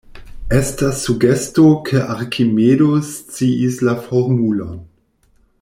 Estas sugesto ke Arkimedo sciis la formulon.